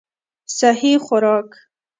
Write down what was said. سهي خوراک